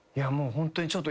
ホントにちょっと。